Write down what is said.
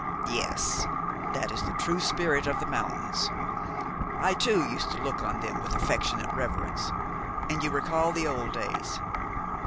"Yes, that is the true spirit of the mountains. I too used to look on them with affectionate reverence, and you recall the old days.